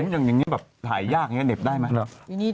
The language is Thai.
อย่างนี้แบบถ่ายยากเน็บได้ไหม